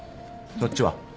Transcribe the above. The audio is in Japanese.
そっちは？